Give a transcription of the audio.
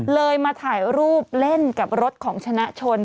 เลยมาถ่ายรูปเล่นกับรถของชนะชน